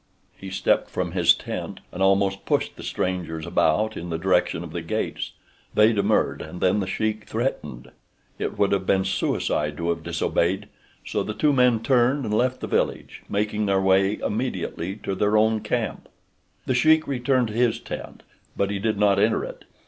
He stepped from his tent and almost pushed the strangers about in the direction of the gates. They demurred, and then The Sheik threatened. It would have been suicide to have disobeyed, so the two men turned and left the village, making their way immediately to their own camp. The Sheik returned to his tent; but he did not enter it.